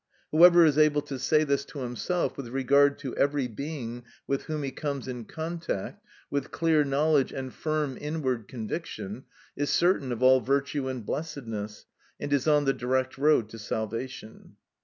Whoever is able to say this to himself, with regard to every being with whom he comes in contact, with clear knowledge and firm inward conviction, is certain of all virtue and blessedness, and is on the direct road to salvation.